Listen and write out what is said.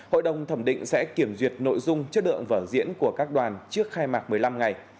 hội đồng thẩm định sẽ kiểm duyệt nội dung chất lượng vở diễn của các đoàn trước khai mạc một mươi năm ngày